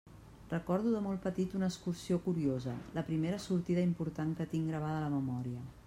Recordo de molt petit una excursió curiosa, la primera sortida important que tinc gravada a la memòria.